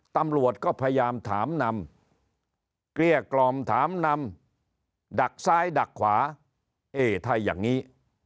ตำรวจก็พยายามถามนำเกลี้ยกล่อมถามนำดักซ้ายดักขวาเอ๊ถ้าอย่างนี้